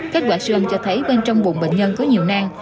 kết quả sư ơn cho thấy bên trong bụng bệnh nhân có nhiều nang